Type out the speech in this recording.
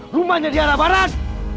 rumahnya di arah barat